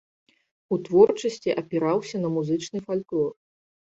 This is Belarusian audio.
У творчасці апіраўся на музычны фальклор.